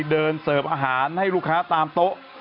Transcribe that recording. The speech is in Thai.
เห็นไหมล่ะ